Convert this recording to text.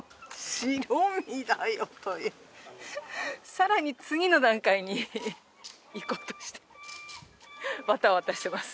さらに次の段階に行こうとしてわたわたしてます。